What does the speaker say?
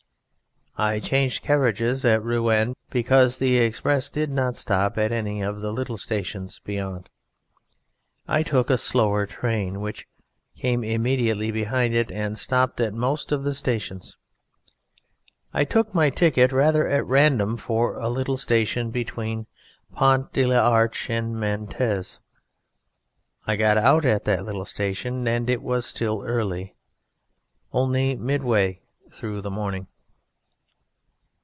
I changed carriages at Rouen because the express did not stop at any of the little stations beyond. I took a slower train, which came immediately behind it, and stopped at most of the stations. I took my ticket rather at random for a little station between Pont de l'Arche and Mantes. I got out at that little station, and it was still early only midway through the morning.